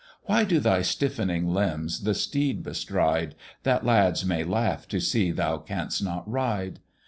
Why do thy stiffening limbs the steed bestride That lads may laugh to see thou canst not ride?